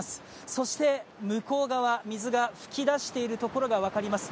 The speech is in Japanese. そして向こう側、水が噴き出しているところが分かります。